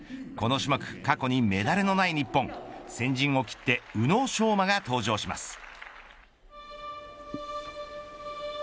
この種目、過去にメダルのない日本先陣を切って宇野昌磨が登場します。